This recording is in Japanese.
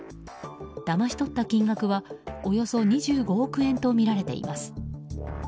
だまし取った金額はおよそ２５億円とみられています。